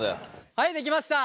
はいできました。